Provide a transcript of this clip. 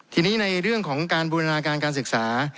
ทีนี้ในเรื่องของการบูรณาการการศึกษา